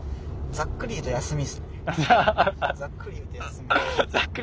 ざっくり言うと休み。